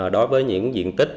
đối với những diện tích